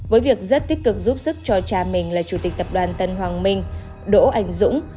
với việc rất tích cực giúp sức cho cha mình là chủ tịch tập đoàn tân hoàng minh đỗ anh dũng